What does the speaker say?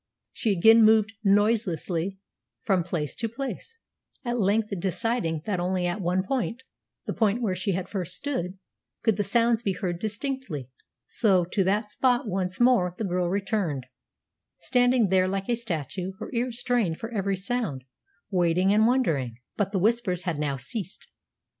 She again moved noiselessly from place to place, at length deciding that only at one point the point where she had first stood could the sounds be heard distinctly. So to that spot once more the girl returned, standing there like a statue, her ears strained for every sound, waiting and wondering. But the Whispers had now ceased.